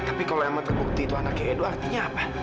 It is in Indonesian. tapi kalau emang terbukti itu anaknya edo artinya apa